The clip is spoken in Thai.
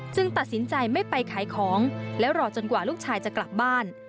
ตัดสินใจไม่ไปขายของแล้วรอจนกว่าลูกชายจะกลับบ้าน